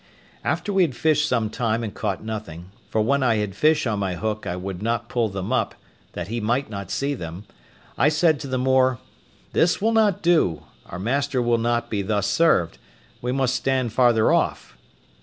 After we had fished some time and caught nothing—for when I had fish on my hook I would not pull them up, that he might not see them—I said to the Moor, "This will not do; our master will not be thus served; we must stand farther off."